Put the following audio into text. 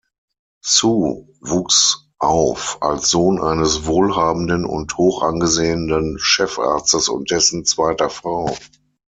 Sue wuchs auf als Sohn eines wohlhabenden und hochangesehenen Chefarztes und dessen zweiter Frau.